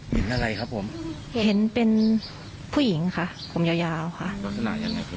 เห็นอะไรครับผมเห็นเป็นผู้หญิงค่ะผมยาวยาวค่ะลักษณะยังไงพี่